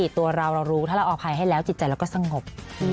ตัวเราเรารู้ถ้าเราอภัยให้แล้วจิตใจเราก็สงบ